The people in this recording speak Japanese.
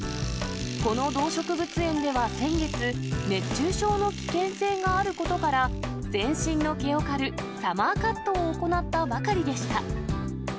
この動植物園では、先月、熱中症の危険性があることから、全身の毛を刈るサマーカットを行ったばかりでした。